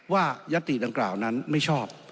ยัตติดังกล่าวนั้นไม่ชอบ